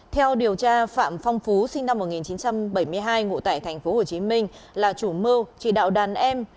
theo điều tra phạm phong phú sinh năm một nghìn chín trăm bảy mươi hai ngụ tại thành phố hồ chí minh là chủ mưu chỉ đạo đàn em